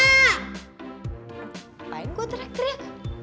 ngapain gue teriak teriak